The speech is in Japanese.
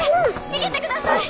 逃げてください！